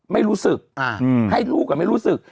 ไม่รู้สึกให้ลูกไม่รู้สึก